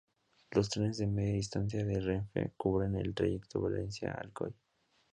Los trenes de media distancia de Renfe cubren el trayecto Valencia-Alcoy.